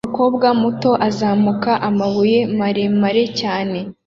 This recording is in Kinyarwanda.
Umukobwa muto azamuka amabuye maremare cyane